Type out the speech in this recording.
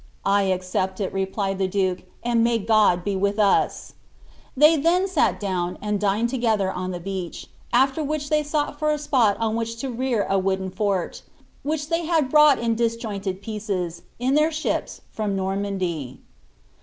I "I accept il," replied the duke, "and may Ood be with uaT" I They then sal down, and diued logeihtr on the beach ; after *' they sought for a spot on which to rear a wooilen fort, which they^l brought in disjointed pieces, iu theic ships, from Normandy.